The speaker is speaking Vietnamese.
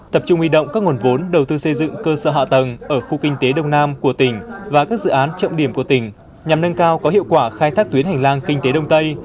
tập trung huy động các nguồn vốn đầu tư xây dựng cơ sở hạ tầng ở khu kinh tế đông nam của tỉnh và các dự án trọng điểm của tỉnh nhằm nâng cao có hiệu quả khai thác tuyến hành lang kinh tế đông tây